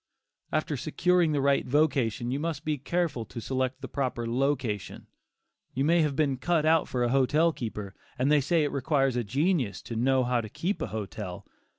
After securing the right vocation, you must be careful to select the proper location. You may have been cut out for a hotel keeper, and they say it requires a genius to "know how to keep a hotel."